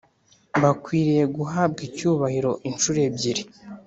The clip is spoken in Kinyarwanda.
bakwiriye guhabwa icyubahiro incuro ebyiri